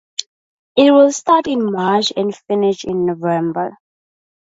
It will start in March and finish in November.